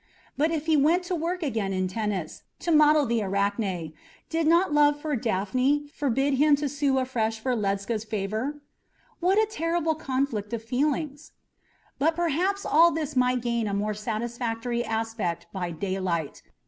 But if he went to work again in Tennis to model the Arachne, did not love for Daphne forbid him to sue afresh for Ledscha's favour? What a terrible conflict of feelings! But perhaps all this might gain a more satisfactory aspect by daylight.